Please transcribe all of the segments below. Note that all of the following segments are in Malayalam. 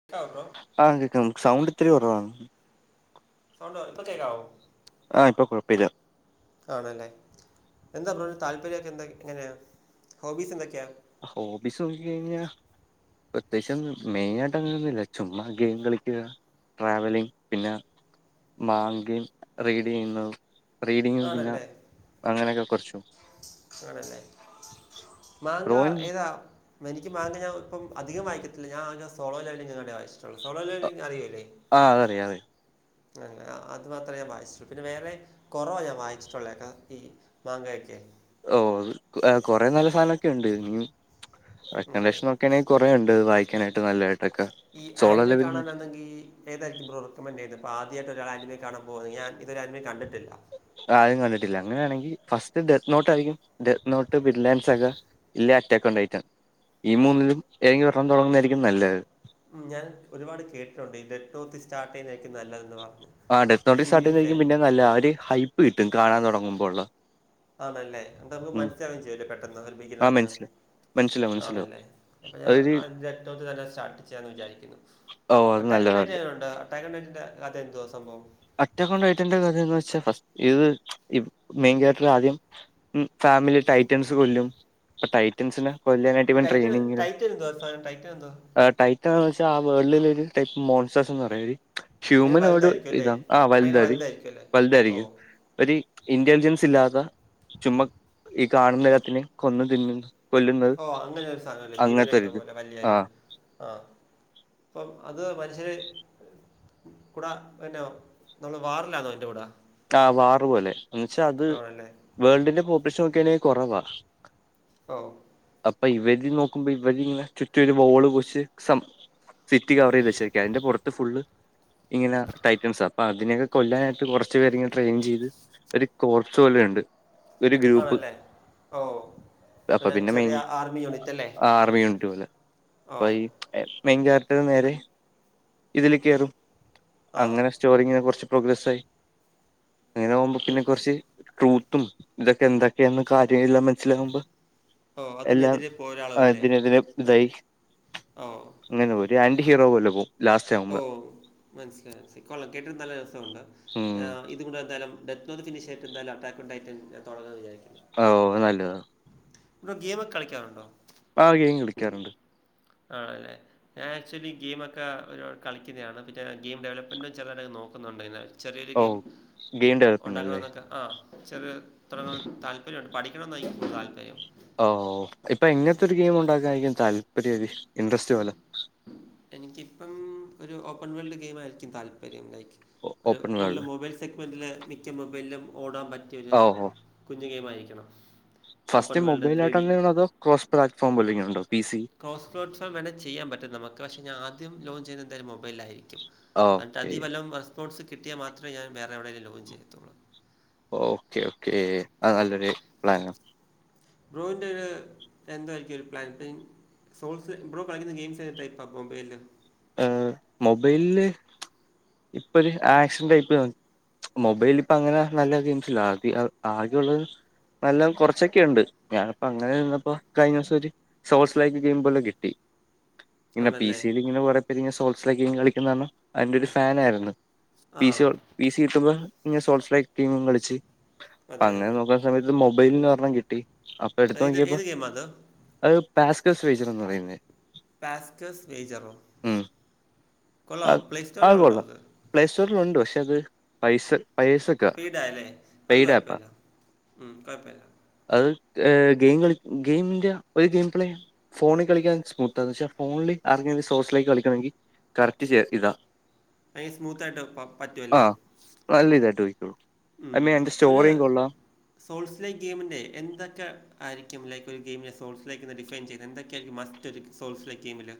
[unintelligible] ആഹ് [unintelligible] സൗണ്ട് ഇത്തിരി കൊർവാ. സൗണ്ട് [unintelligible] ഇപ്പോകേൾക്കാവോ? ആഹ് ഇപ്പ കൊയ്പ്പല്ല്യ. കാണോല്ലേ. എന്താ ബ്രോന് താല്പര്യക്കെ എന്തൊ എങ്ങനെയാ ഹോബീസ് എന്തൊ ക്യാ? ഹോബിസോക്കി കയ്ഞ്ഞാ പ്രേത്യേച്ചൊന്നു മെയ്നായിട്ട് അങ്ങനൊന്നുല്ല ചുമ്മ ഗെയിം കളിക്യുക. ട്രാവലിംഗ് പിന്നെ [unintelligible] റീഡെയ്യുന്നതും. റീഡിങ്ങും പിന്നെ ആണല്ലേ അങ്ങനൊക്കെ കൊർച്ചും. ആണല്ലേ മാങ്ക ഡ്രോയിങ് ഏതാ. എനിക്ക് മാങ്ക ഞാൻപ്പം അധികംവാങ്ങിക്കത്തില്ല ഞാൻ [unintelligible] [unintelligible] അറിയുകയില്ലേ? ആഹ് അതറിയ അതെ. അങ്ങനെ അ അത് മാത്ര ഞാൻ വായിച്ചൊ പിന്നെ വേറെ കൊർവാ ഞാൻ വായിച്ചിട്ടൊളേ ക ഈ മാങ്കയൊക്കെ. ഓ ആ കൊറെേ നല്ല പ്ലാനൊക്കെണ്ട് ഉം അങ്ങനെ [unintelligible] [unintelligible] കുറേ ഇണ്ട് വായിക്കാനായിട്ട് നല്ലെ. ഈ ആനിമീ കാണാനാണെങ്കി ഏതായിരിക്കും ബ്രോ റെക്കമന്റ് ചെയ്യ്ന്നെ ഇപ്പ ആദ്യായ്ണ്ട് ഒരാൾ [unintelligible] കാണാൻ പോവു ഞാൻ ഇതുവരെ [unintelligible] കണ്ടിട്ടില്ല. ആരും കണ്ടിട്ടില്ല അങ്ങനെയാണെങ്കി ഫസ്റ്റ് ഡെത്ത് നോട്ട് ആയിരിക്കും ഡെത്ത് നോട്ട്, പിലാൻസൊക്കെ. ഇല്ല അറ്റാക്ക് ഉണ്ടായിട്ടാണ് ഈ മൂന്നിലും ഏതെങ്കിലും ഒരെണ്ണം തൊടങ്ങുന്നതായിരിക്കും നല്ലത്. ഉം ഞാൻ ഒരുപാട് കേട്ടിട്ടുണ്ട് ഈ ഡെറ്റ്തോത്തി സ്റ്റാർട്ട് ചെയ്യുന്നായിരിക്കും നല്ലതന്ന് ആ ഡത്തോട്ടി സ്റ്റാർട്ടിയുന്നതായിരിക്കും പിന്നെം നല്ല ആ ഒര് ഹൈപ്പ് കിട്ടും കാണാൻ തൊടങ്ങുമ്പോഴുള്ള ആണല്ലേ എന്താന്ന് മനസ്സിലാവയും ചെയ്യല്ലേ പെട്ടെന്ന് ഒരു ആ ബഗിറിന് മനസ്സിലായി മനസ്സിലാവും മനസ്സിലാവും ആണല്ലേ അപ്പൊ ഞാൻ അതൊരു [unintelligible] തന്നെ സ്റ്റാർട്ട് ചെയ്യാന്ന് വിചാരിക്കുന്നു ഓ അത് അറ്റാക്ക് നല്ലതാണ് ഉണ്ടായിട്ട്ങ്ങണ്ട് അറ്റാക്ക് ഉണ്ടായി അതെന്തുവാ സംഭവം. അറ്റക്ക് കൊണ്ട് [unintelligible] കഥയന്ന് വെച്ചാൽ ഫസ്റ്റ് ഇത് മെയിൻ കേറ്റർ ആദ്യം. ഉം ഫാമിലി ടൈറ്റൻസ് കൊല്ലും. ഇപ്പൊ ടൈറ്റൻസിനെ കൊല്ലാനായിട്ട് ഈ ഇവൻ ടൈറ്റൻ ട്രെയിനിങ്ങ ടൈറ്റൻ എന്തുവാ സാധനം ടൈറ്റൻ എന്തുവാ ടൈറ്റൻന്ന് വെച്ചാൽ ആ വേൾഡില ഒരു ടൈപ്പ് മോൺസസ് എന്ന് പറയും ഒരു ഭയങ്കര ഹ്യൂമനോട് വലുതായിരിക്കും അല്ലേ ഇതാ ആഹ് ഭയങ്കര വൽതരി വലുതായിരിക്കും അല്ലേ ഓ വൽതാരിക്കും ഒരു ഇന്റലിജൻസ് ഇല്ലാത്ത ചുമ്മ ഈ കാണുന്ന എല്ലാത്തിനേം കൊന്നു തിന്നുന്ന ഓ അങ്ങനൊ ഒരു സാധനല്ലേ ഭീമനൊക്കെ പോലെ വല്യൊരു ആഹ് ആഹ് അപ്പം അത് മനുഷ്യരെ കൂടാ പിന്നോ നമ്മള് വാറില്ലാന്നോ എന്റെ കൂട ആ വാറ പോലെ എന്ന വച്ചാ അത് വേൾഡിന്റെ പോപ്പുലേഷൻ നോക്കെണെങ്കിൽ കുറവാ ഓ അപ്പൊ ഇവര് നോക്കുമ്പോ ഇവരിങ്ങനെ ചുറ്റും ഒരു വോള് കൊച്ച് സിറ്റി കവർ ചെയ്ത് വെച്ചിരിക്കാ അതിന്റെ പുറത്ത് ഫുള് ഇങ്ങനെ ടൈറ്റംസ് അപ്പൊ അതിനൊക്കെ കൊല്ലാനായിട്ട് കുറ കുറച് പേരെ ഇങ്ങനെ ട്രെയിൻ ചെയ്ത് ഒരു കോർസ് പോലെ ഉണ്ട് ആണല്ലേ ഓ അപ്പൊ ഒരു പിന്നെ മെയിൻ ചെറിയ ആർമി യൂണിറ്റ് അല്ലേ ഓ അഹ് മെയിൻ കയറ്റ നേരെ ഇതിലേ കയറും ആ അങ്ങനെ സ്റ്റോറിങ്ങിനെ കുറച്ച് പ്രോഗ്രസ് ആയി അങ്ങനെ ആകുമ്പോൾ പിന്നെ എ- കുറച്ച് ട്രൂത്തും ഇതൊക്കെ എന്തൊക്കെയ കാര്യ മനസിലകുമ്പോ ഓ എല്ലാം അതിനെതിരെ പോരാളും അല്ലേ ഇതിനതിന് ഇതായി ഓ അങ്ങനെ പോ ഒരു ആന്റി ഹീറോ പോലെ പോവും ഓ മനസ്സിലായി മനസിലായി കൊള്ളാം കേട്ടിട്ട് നല്ല രസമുണ്ട് ഉം ഇതുകൊണ്ട്ന്താലും [unintelligible] എന്താലും അറ്റാക്ക ഉണ്ടായിട്ട് തുടങ്ങന്ന് വിചാരിക്കണു ഓ നല്ലതാണ് ഗെയിം ഒക്കെ കളിക്കാറുണ്ടോ ആഹ് ഗെയിം കളിക്കാറുണ്ട് ആണല്ലേ ഞാ ആക്ച്വലി ഗെയിം ഒക്കെ ഒരാൾ കളിക്കുന്നയാണ് പിന്നെ ഗെയിം ഡെലപ്മെന്റും ചില നോക്കുന്നുണ്ട് ചെറിയൊരു ഓ ഗെയിം ഗെയിം ഡെവലപ്പിംഗ് ഉണ്ടാക്കണം അല്ലേ എന്നൊക്കെ ആഹ് ചെറിയ തുടങ്ങാൻ താല്പര്യുണ്ട് പഠ എനിക്ക് താല്പര്യം ഓ ഇപ്പൊ എങ്ങനത്തെ ഒരു ഗെയിം ഉണ്ടാക്കാനായിരിക്കും താല്പര്യം ഇൻട്രസ്റ്റ് പോലെ എനിക്കിപ്പം ഒരു ഓപ്പൺ വേൾഡ് ഗെയിം ആയിരിക്കും താല്പര്യം ലൈക്ക് ഒരു ഓപ്പൺ കൂടുതല് വേൾഡ് മൊബൈൽ സെഗ്മെന്റില് മിക്ക മൊബൈലിലും ഓടാൻ പറ്റിയൊരു ഓ ഓ കുഞ്ഞു ഗെയിം ആയിരിക്കണം ഫസ്റ്റ് മൊബൈലോട്ടാണോ അതോ [unintelligible] പ്ലാറ്റ്ഫോം പോല്ലെന്തെങ്കി ഉണ്ടോ പി സി [unintelligible] വേണേ ചെയ്യാൻ പറ്റും നമുക്ക് പക്ഷെ ഞാനാദ്യം ലോഞ്ച് ചെയ്യുന്നത് ഒരു മൊബൈലിലായിരിക്കും ഓക്കെ എന്നിട്ടതീ വലം റെസ്പോൺസ് കിട്ടിയാൽ മാത്രമേ ഞാൻ വേറെ എവിടേങ്കിലും ലോഞ്ച് ചെയ്യത്തുള്ളൂ ഓക്കേ ഓക്കേ അത് നല്ലൊരു പ്ലാനാണ് ബ്രോയിൻ്റെ ഒരു എന്തായിരിക്കും ഒരു പ്ലാനിങ് സോൾസ് എപ്പോഴും കളിക്കുന്ന ഗെയിംസ് ഏത് ടൈപ്പാണ് മൊബൈൽല് മൊബൈലില് ഇപ്പൊ ഒരു ആക്ഷൻ ടൈപ്പ് മൊബൈൽല് ഇപ്പ അങ്ങനെ നല്ല ഗെയിംസില്ല ആകെ ആകെയുള്ളത് നല്ല കുറച്ചൊക്കെ ഉണ്ട് ഞാനിപ്പോ അങ്ങനെ നിന്നപ്പോ കഴിഞ്ഞ ദിവസം ഒരു സോർസ് ലൈക്ക് ഗെയിം പോലെ കിട്ടി ഇങ്ങനെ പി ആണല്ലേ സിൽ ഇങ്ങനെ കൊറേ സോൾസിലൊക്കെ കളിക്കുന്നതോ അതിന്റെ ഒരു ഫാൻ ആയിരുന്നു ആ പി സി പി സി കിട്ടുമ്പോ സോ ലീ കളിച്ചു അ അതെ അങ്ങനെ അതെ നോക്കാ സമയത്ത് മൊബൈലന്ന് ഒരെണ്ണം കിട്ടി അപ്പൊ എടുത്തു അതായത് നോക്കിയപ്പോ ഏത് ഗെയിമാണ് അത് അത് പാസ്കസജർ എന്ന് പറയുന്നത് പാസ്സ്സ് ഏജറോ ഉം അത് അത് സ്റ്റോറിൽ ഉണ്ടോ കൊള്ളാം പ്ലേ സ്റ്റോറിലുണ്ട് പക്ഷെ അത് പൈസ പൈസ വീടായല്ലേ അത് കൊഴപ്പില്ല ഉം കൊഴപ്പല്ല അത് ഗെയിം കളി ഗെയിമിന്റെ ഒരു ഗെയിം പ്ലേ ഫോണിൽ കളിക്കാൻ സ്മൂത്താന്ന് പക്ഷെ ഫോണ് അങ്ങനെ സോഴ്സിലേക്ക് കളിക്കാണെങ്കിൽ കറക്റ്റ് ശരിയാക്കിഇതാ ഭയങ്കര സ്മൂത്തായിട്ട് പ പറ്റുമല്ലേ ആഹ് നല്ല ഇതായിട്ടയ്ക്കോളും ഉം. അയ്മീൻ അയ്ന്റെ ഒരു സ്റ്റോറിയും കൊള്ളാം സോൾസ് ലൈക്ക് ഗെയിമിൻ്റെ എന്തൊക്കെ ആയിരിക്കും ലൈക്ക് ഒരു ഗെയിമി സോസ് ലൈക്ക് നിന്ന് ഡിഫൈൻ ചെയ്യുന്നത് എന്തൊക്കെയാ യിരിക്കും മസ്റ്റ് മറ്റത് സോൾസി ലൈക്ക് ഗെയ്മില്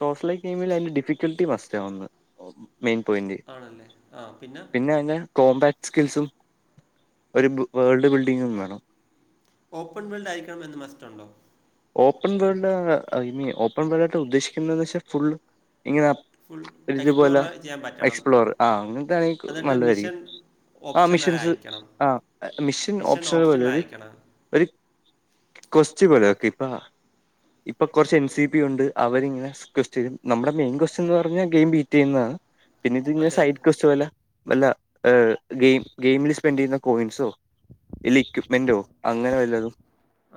സോഴ്‌സ് ലൈക്ക് ഗെയിമില് അതിന്റെ ഡിഫിക്കൽട്ടി മസ്റ്റ് ആന്ന് മെയിൻ പോയിന്റ് ആണല്ലേ ആ പിന്നെ എന്താ കോംമ്പാക്റ്റ് സ്കിൽസും ഒരു വേൾഡ് ബിൽഡിങ്ങും വേണം ഓപ്പൺ വീൾഡ് ആയിരിക്കണം എന്ന് മസ്റ്റുണ്ടോ ഓപ്പൺ വേൾഡ് ഓപ്പൺ വേൾഡ് ആയിട്ട് ഉദ്ദേശിക്കുന്നന്ന് വെച്ചാൽ ഫുൾ ഇങ്ങനെ ഫുൾ ഒരു എക്സ്പ്ലോർ ഇതുപോലെ ചെയ്യാൻ പറ്റണം എക്സ്പ്ലോർ ആ അങ്ങനത്തൊണ് എന്നിട്ട് നല്ലതായിരിക്കും മിഷൻ ആ ഓപ്ഷണൽ മെഷീൻസ് ആയിരിക്കണം ആ മെഷീൻ മിഷൻ ഓപ്ഷനൽ പോലെ ഓപ്ഷണൽ ആയിരിക്കണം ഒരു കൊസ്റ്റ് പോലെ കൃപ്പ ഇപ്പൊ കൊറച്ച് എൻ സി പി ഉണ്ട് അവരിങ്ങനെ കൊസ്റ്റ് നമ്മുടെ മെയിൻ കൊസ്റ്റ് പറഞ്ഞാ ഗെയിം ബീറ്റ് ചെയ്യുന്നതാണ് പിന്നെ ഇത് അതെ അതെ സൈഡ് കൊസ്ല് നല്ല ഗെയിം ഗെയിമിൽ സ്പെൻഡ് ചെയ്യുന്ന കോയിൻസും ഇല്ല ഇക്യപ്മെന്റോ ആ അങ്ങനെ വല്ലതും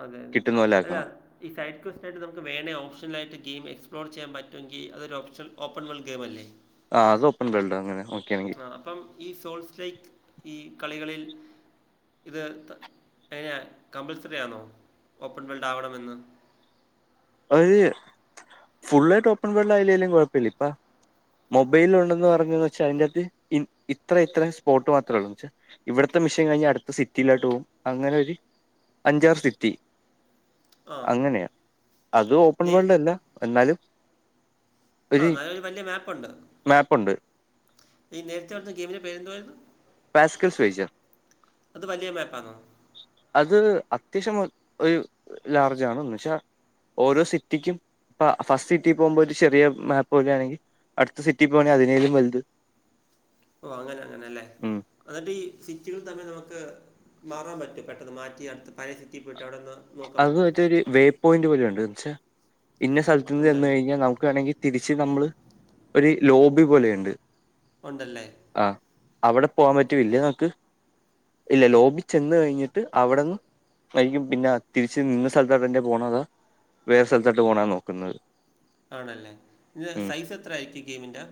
അതെ അതെ കിട്ടുന്ന പോലെ അല്ല ആക്കണം ഈ സൈഡ് കൊസ്റ്റായിട്ട് നമുക്ക് വേണേൽ ഓപഷൽായിട്ട് ഗെയ്ം എക്സ്പ്ളോർ ചെയ്യൻ പറ്റൊങ്കി അതൊരു ഒപ്ഷൽ ഓപ്പൺ വേൾഡ് ഗെയിമല്ലേ ആഹ് അത് ഓപ്പൺ വേൾഡ് അങ്ങനെ നോക്കിയാണെങ്കിൽ ആ അപ്പം ഈ സോൾസ് ലൈക്ക് ഈ കളികളിൽ ഇത് എങ്ങനെ കമ്പൾസറി ആണോ ഓപ്പൺ ബെൽഡ് ആവണമെന്ന് അതായത് ഫുുള്ളായിട്ട് ഓപ്പൺ വേൾഡ് ആയില്ലേലും കുഴപ്പല്ല ഇപ്പ മൊബൈലില് ഉണ്ടെന്ന് പറഞ്ഞ വച്ചാൽ അതിൻ്റകത്ത് ഇ ഇത്ര ഇത്ര സ്പോർട്ട് മാത്രേ ഉള്ളൂന്ന് വെച്ചൽ ഇവിടത്തെ മിഷൻ കഴിഞ്ഞ അടുത്ത സിറ്റിയിലാട്ട് പോവും അങ്ങനെ ഒരു അഞ്ചാറ് സിറ്റി ആ. അങ്ങനെയാ അത് ഓപ്പൺ നേര് വേൾഡ് അല്ല എന്നാലും ആ ഒരു നല്ലരു വല്ല്യ മാപ്പുണ്ട് മാപ്പുണ്ട് ഈ നേരത്തെ പറഞ്ഞ ഗെയിമിന്റെ പേരെന്തുവാര്ന്നു പാസ്കിൽ സ്വേചർ അത് വലിയ മാപ്പാണോ അത് അത്യാവശ്യം ഒരു ലാർജ് ആണ് എന്ന് വെച്ചാ ഓരോ സിറ്റിക്കും പ്പ ഫസ്റ്റ് സിറ്റിൽ പോകുമ്പോൾ ഒരു ചെറിയ മാപ്പ് പോലെയാണെങ്കിൽ അടുത്ത സിറ്റി പോകണെങ്കിൽ അതിനേലും വലുത് ഓ അങ്ങനെ അങ്ങനെല്ലേ ഉം എന്നിട്ട് ഈ സിറ്റികൾ തന്നെ നമുക്ക് മാറാൻ പറ്റും പെട്ടെന്ന് മാറ്റി അടുത്ത് പഴയ സിറ്റിൽ പോയിട്ട് അവിടെന്ന് അത് മറ്റരു വേ പോയിന്റ് പോലുണ്ട് വെച്ചാ ഇന്ന സ്ഥലത്ത നിന്ന് എന്ന് ഉണ്ടല്ലേ? കഴിഞ്ഞാൽ നമുക്ക് വേണമെങ്കി തിരിച്ച് നമ്മള് ഒരു ലോബി പോലെയുണ്ട് ഉണ്ടല്ലേ ആഹ് അവിടെ പോവാൻ പറ്റും ഇല്ലേ നമുക്ക് ഇല്ല ലോബി ചെന്ന് കഴിഞ്ഞിട്ട് അവിടെന്ന് കയ്യും പിന്നെ തിരിച്ച് നിന്ന സ്ഥലത്തോട്ട്ന്റെ പോകണോ വേറെ സ്ഥലത്തോട്ട് പോകണോ നോക്കുന്നത് ആണല്ലേ ഇത് ഉം സൈസ് എത്ര ആയിരിക്കും ഗെയിമിന്റെ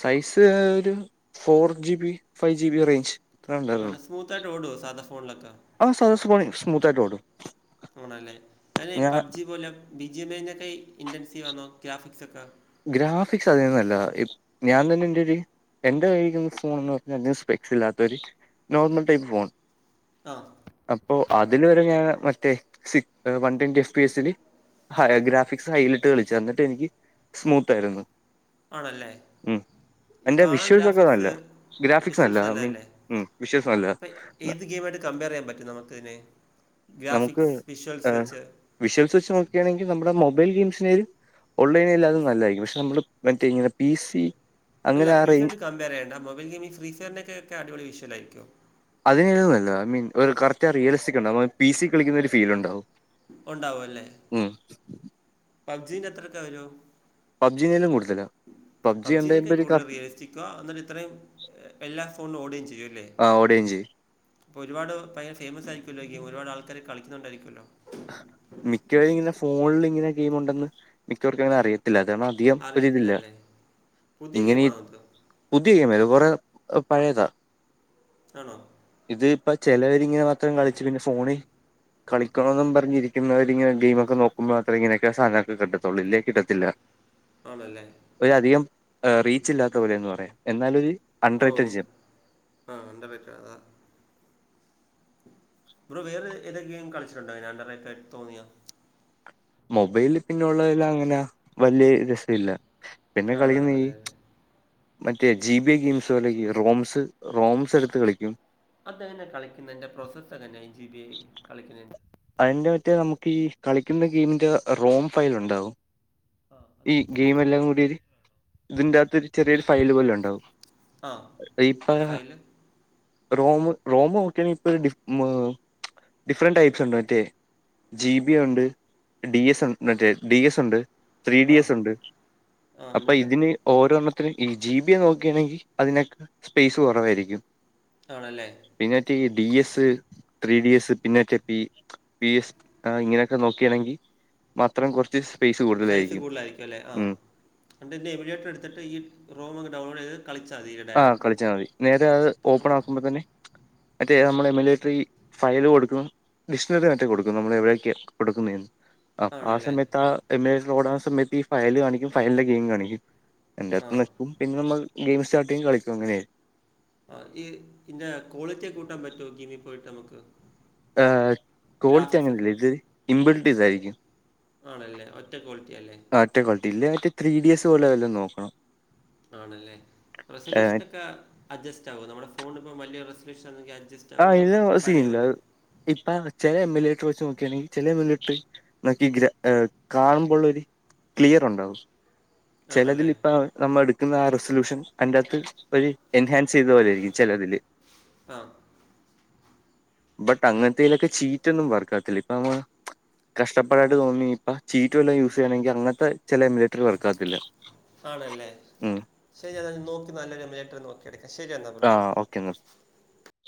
സൈസ് ഒരു four G B five G B range ഇത്ര അ സ്മൂത്തായിട്ട് ഓഡോ സാധ ഫോണിലൊക്കെ [unintelligible] സ്മൂത്തായിട്ടൊടും ഓണല്ലേ അപബ്ജി പോലെ ബിജി എം ഐക്കെ ഇന്റൻസീവ് ആണോ ഗ്രാഫിക്സ് ഒക്കെ ഗ്രാഫിക്സ് അതിൽന്നല്ല ഞാൻ തന്നെ എന്റെ ഒരു എന്റെ കൈരിക്കുന്ന ഫോൺന്ന് പറഞ്ഞാൽ അ സ്പെക്സ് ഇല്ലാത്ത ഒരു നോർമൽ ടൈപ്പ് ഫോൺ ആഹ് അപ്പോ അതില് വരെ ഞൻ മറ്റേ വൺ ട്വന്റി എഫ് പി ല് ഹ ഗ്രാഫിക്സ് ഹൈലിട്ട് കളിച്ചു എന്നിട്ട് എനിക്ക് സ്മൂത്ത് ആയിരുന്നു ആണല്ലേ ഉം ഈ എന്റെ കാണൻ വിഷ്വൽസ് ഒക്കെ നല്ല ഗ്രാഫിക്സ് ഗ്രാഫിക്സ് ഫെഷൽസ് ഐ നല്ല മീൻ അല്ലേ. ഉം വിഷ്വൽസ് നല്ല അപ്പൊ ഏത് ഗെയിം ആയിട്ട് കമ്പയർ ചെയ്യാൻ പറ്റും നമുക്ക അതിന് ഗ്രാഫിക്സ് സ്പഷൽസ്ച്ച വിഷ്ംസ് വെച്ച് നോക്കുകയാണെങ്കിൽ നമ്മുടെ മൊബൈൽ ഗെയിംസിനര് ഓൺലൈൻ അല്ലാ നല്ലായിരിക്കും പക്ഷെ നമ്മള് മറ്റേനെ പി സി അല്ല. അങ്ങനെ ആ റേഞ്ച് [unintelligible] കമ്പയർ ചെയ്യണ്ട. മൊബൈൽ ഗെമിങ്സ് ഫ്രീ ഫയർ നോക്കെ അടിപൊളി അതിനന്നുമല്ല ഐ മീൻ ഒരു കറക്റ്റ് ആ റിയലിസ്റ്റിക് ഉണ്ടാവ പി സ കളിക്കുന്ന ഒരു ഫീൽ ഉണ്ടാവും ഉണ്ടാവുംല്ലേ ഉം പബ്ജീന് എത്രൊക്കെ വരു പബ്ജീ എന്നെലും കൂടുതലാ പബ്ജി പബ്ജീക്കെ കണ്ടയുമ്പോ ഒരു കറ കൂടുതൽ റിയലിറ്റിക്കുക എന്നിട്ട് ഇത്രയും എല്ലാ ഫോണിലും ഓടുകയും ചെയ്യോ അല്ലേ ആഹ് ഓടുകയുണ് ചെയ്യും ഇപ്പൊ ഒരുപാട് പയര ഫേമസ് ആയിരിക്കല്ലോ ഗം ഒരുപാട് ആൾക്കാര് കളിക്കുന്നണ്ടായിരിക്കുമല്ലോ മിക്കവർ ഇങ്ങനെ ഫോണിൽ ഇങ്ങനെ ഗെയിം ഉണ്ടെന്ന് മിക്കവർക്ക അങ്ങനെ അറിയത്തില്ല [unintelligible] അറിയത്തില്ലല്ലേ പുതിയ ഇങ്ങനെ ഗെയിമാണോ അത് പുതിയ ഗെയിംത് കുറെേ പഴയതാ ആണോ ഇത് ഇപ്പ ചിലവരിങ്ങനെ മാത്രം കളിച്ചു പിന്നെ ഫോണ് കളി കക്കണന്നും പറഞ്ഞിരിക്കുന്നർരിങ്ങ ഗെയിമൊക്കെ നോക്കുമ്പോ മാത്രമ ഇങ്ങന സാധരണ കിട്ടത്തുള്ളൂ ഇല്ല കിട്ടത്തില്ല ആണല്ലേ ഒര് അധികം റീച്ച് ഇല്ലാത്ത പോലെന്ന് പറയാം എന്നാലൊരു ഓ അൺറേറ്റഡ് ജം ആഹ് [unintelligible] അതാ ബ്രോ വേറെ ഏതൊ ഗെയിം കളിച്ചിട്ടുണ്ടോ [unintelligible] തോന്നിയോ മൊബൈലില് പിന്നള്ളതിൽ അങ്ങനെ വല്യ രസല്ല പിന്നെ ആണ് കളിക്കുന്ന ഈ അതെ അതെ മറ്റേ ജിബി ഗെയിംസ് അല്ലെങ്കി റോംസ് റോംസ് എടുത്ത് കളിക്കും അത്ങ്ങനെ കളിക്കുന്നതിൻ്റെ പ്രോസസ്ങ്ങന്നെ ൻ ജി ബി ഐ കളിക്കുന്നതിൻ്റെ അതിന്റെ മറ്റേ നമുക്ക് ഈ കളിക്കുന്ന ഗെയിമിന്റെ റോം ഫയൽ ഉണ്ടാവും ആ അതെ ഈ ഗെയിം എല്ലാം കൂടിയത് ഇതിന്റെകത്ത് ഒരു ചെറിയൊരു ഫയല് പോലെ ഉണ്ടാവും ആ ഫൈല് റോമ റോമ നോക്കിയണ ഇപ്പ ഡ ഡിഫറന്റ് ടൈപ്സ് ഉണ്ടായി മറ്റേ ജി ബി ഉണ്ട് ഡി എസ് മറ്റേ ഡി എസ് ഉണ്ട് ത്രീ ഡി ആ എസ് ഉണ്ട് ആ അപ്പൊ എന്നിട്ട് ഇതിന് ഓരോണ്ണത്തിൻ ഈ ജി ബി നോക്കുകയാണെങ്കിൽ അതിനൊക്കെ സ്പേസ് കുറവായിരിക്കും ആണല്ലേ പിന്നറ്റ ഈ D S three D S പിന്നേറ്റ പി പി എസ് ഇങ്ങനെയൊക്കെ നോക്കുകയാണെങ്കിൽ മാത്രം കുറച്ച് സൈസ് കൂടുതലായിരിക്കും അല്ലേ ആ ഉം എന്നിട്ട് ഇന്ന് എമീഡിയേറ്റ് എടുത്തിട്ട് ഈ റോമ ഡൗൺലോഡ് ചെയ്ത് കളിച്ചാതി കെ ആ കളിച്ചാൽ മതി. നേരെ അത് ഓപ്പൺ ആക്കുമ്പോ തന്നെ മറ്റേ നമ്മള് ഈ മിലിട്ട്റി ഫയല് കൊട്ക്കും മിശ്രിതായിട്ട് കൊട്ക്കും നമ്മള് എവിടെക്കെ കൊടുക്കുന്നേന്ന് ആഹ് ആ ആണല്ലേ സമയത്ത് ആ ഇമേജ് ലോടാവുന്ന സമയത്ത് ഈ ഫയല് കാണിക്കും ഫയലിന്റെ ഗെയിം കാണിക്കും. ആ അയിന്റകത്ത് നെക്കും പിന്നെമ്മള് ഗെയിം സ്റ്റാർട്ടെയ്യും കളിക്കും അങ്ങനെയായി ആഹ് ഈ ഇങ്ങനെ ക്വാളിറ്റിയൊക്കെ കൂട്ടാൻ പറ്റൊ ഗെയ്മി പോയിട്ട് നമക്ക് ആഹ് ക്വാളിറ്റി അങ്ങനെല്ല ഇത് ഇംബിൾട്ടിയ്തായിരിക്കും ആണല്ലേ ഒറ്റ ക്വാളിറ്റി അല്ലേ ആഹ് ഒറ്റ ക്വാള്റ്റി ഇല്ലേ മറ്റേ ത്രീ ഡിയസ് പോലെ വേല്ലോം നോക്കണം ആണല്ലേ ഏഹ്, റെസല്യൂഷനോക്കെ അഡ്ജസ്റ്റാകോ നമ്മടെ ഫോണ്പ്പം വല്യ റെസല്യൂഷന്ണ്ടെങ്കി അഡ്ജസ് ആഹ് ഇത് സീന്ല്ല ഇപ്പ ചെലേ [unintelligible] വെച്ച് നോക്കിയയാണെങ്കിൽ ചെലേ [unintelligible] മറ്റേ ഗ്ര ഏഹ് കാണുമ്പള്ളോര് ക്ലിയറ്ണ്ടാവും ആണല്ലേ ചെലതിനിപ്പാ നമ്മളെട്ക്ക്ന്നാ ആ റെസല്യൂഷൻ അയിന്റകത്ത് ഒര് എൻഹാൻസെയ്ത പോലായിരിക്കും ചെലതില് ആഹ് ബട്ട് അങ്ങനത്തേലൊക്കെ ചീറ്റൊന്നും വർകക്കാത്തില്ല ഇപ്പമ്മ കഷ്ടാ പാടായിട്ട് തോന്നി ഇപ്പ ചിറ്റ് വെല്ലോം യൂസെയ്യണെങ്കി അങ്ങനത്ത ചെല മി ആണല്ലേ ഉം ശരി എന്നാ ഞാൻ നോക്കി നല്ല [unintelligible] നോക്കി എട്ക്കാം ശരി എന്നാ ആഹ് ഓക്കെന്നാ